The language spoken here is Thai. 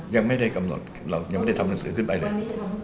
ยังไม่ได้กำหนดเรายังไม่ได้ทำหนังสือขึ้นไปเลย